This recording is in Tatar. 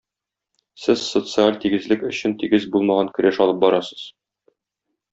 Сез социаль тигезлек өчен тигез булмаган көрәш алып барасыз.